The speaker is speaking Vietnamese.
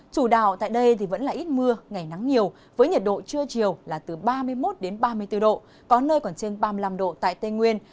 chủ đạo tại đây vẫn là ít mưa ngày nắng nhiều với nhiệt độ trưa chiều là từ ba mươi một đến ba mươi bốn độ có nơi còn trên ba mươi năm độ tại tây nguyên